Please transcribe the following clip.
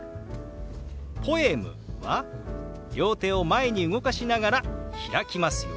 「ポエム」は両手を前に動かしながら開きますよ。